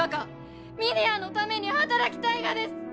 峰屋のために働きたいがです！